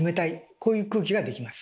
こういう空気が出来ます。